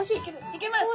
いけます。